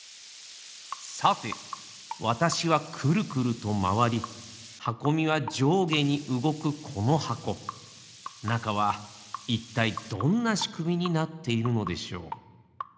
さてわたしはくるくるとまわりはこみはじょうげにうごくこのはこなかはいったいどんなしくみになっているのでしょう？